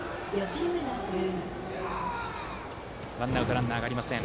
ワンアウトランナーがありません。